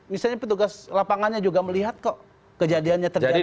misalnya petugas lapangannya juga melihat kok kejadiannya terjadi